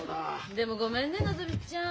でもごめんねのぞみちゃん。